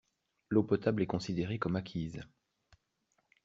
L'eau potable est considérée comme acquise.